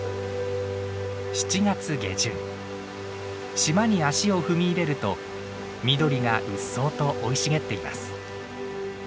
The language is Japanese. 島に足を踏み入れると緑がうっそうと生い茂っています。